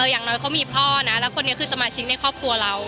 อย่างน้อยเขามีพ่อนะแล้วคนนี้คือสมาชิกในครอบครัวเรา